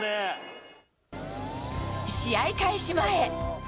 試合開始前。